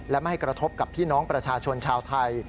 และไม่ให้กระทบกับพี่น้องประชาชนชาวไทย